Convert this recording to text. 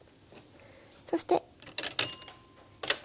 そして。